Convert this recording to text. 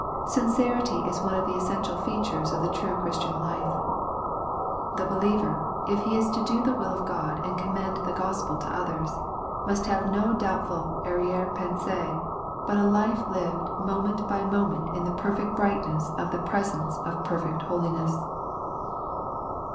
Sin cerity is one of the essential features of the true Christian life. The believer, if he is to do the will of God and commend the Gospel to others, must have no doubtful arriere fensee but a life lived moment by moment in the perfect brightness of the presence of perfect holiness.